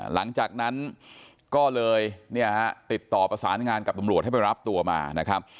หลังจากนั้นก็เลยเนี่ยฮะติดต่อประสานงานกับตำรวจให้ไปรับตัวมานะครับ